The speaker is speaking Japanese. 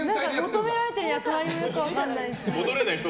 求められている役割なのかも分からないし。